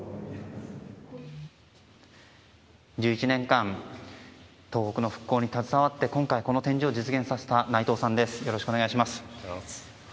１１年間東北の復興に携わって今回、この展示を実現させた内藤さんです。